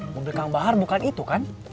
mobil kang bahar bukan itu kan